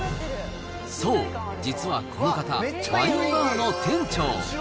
そう、実はこの方、ワインバーの店長。